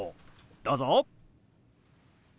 どうぞ。